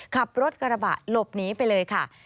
ขับรถกระบะหลบหนีไปเลยค่ะ